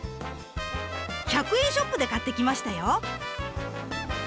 １００円ショップで買ってきましたよ。